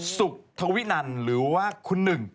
สุธวินันหรือว่าคุณหนึ่ง